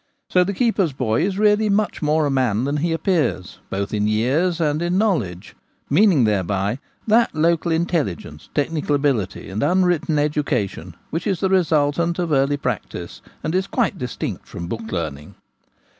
So the keeper's boy is really much more a man than he appears, both in years and knowledge— meaning thereby that local intelligence, technical ability, and unwritten education which is the resultant of early practice and is quite distinct from book learning.